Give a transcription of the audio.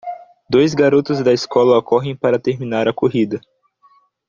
Dois garotos da escola correm para terminar a corrida.